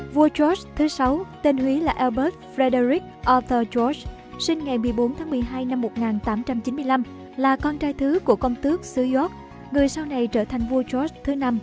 vua george thứ sáu tên húy là albert frederick arthur george sinh ngày một mươi bốn tháng một mươi hai năm một nghìn tám trăm chín mươi năm là con trai thứ của công tước sư york người sau này trở thành vua george thứ năm